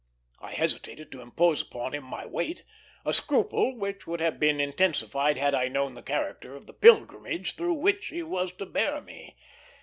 I hesitated to impose upon him my weight, a scruple which would have been intensified had I known the character of the pilgrimage through which he was to bear me.